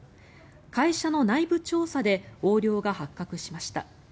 会社の内部調査で横領が発覚しました。